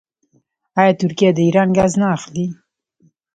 آیا ترکیه د ایران ګاز نه اخلي؟